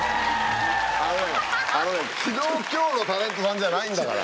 あのあのね昨日今日のタレントさんじゃないんだから。